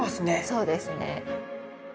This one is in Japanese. そうですね。